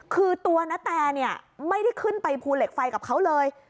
คือตัวนาแตเนี่ยไม่ได้ขึ้นไปภูเหล็กไฟกับเขาเลย